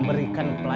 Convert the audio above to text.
vadapa nh mia